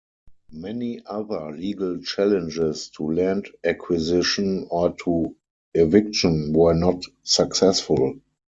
Many other legal challenges to land acquisition or to eviction were not successful.